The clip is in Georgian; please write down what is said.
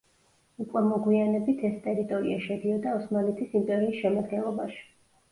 უკვე მოგვიანებით ეს ტერიტორია შედიოდა ოსმალეთის იმპერიის შემადგენლობაში.